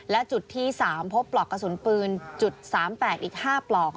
และจุดที่๓พบปลอกกระสุนปืน๓๘อีก๕ปลอก